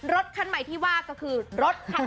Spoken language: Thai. รถคันใหม่ที่ว่าก็คือรถคัน